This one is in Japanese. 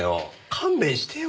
勘弁してよ。